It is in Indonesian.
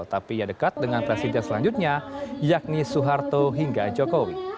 tapi ia dekat dengan presiden selanjutnya yakni soeharto hingga jokowi